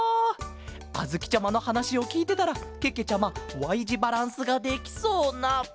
あづきちゃまのはなしをきいてたらけけちゃまＹじバランスができそうな。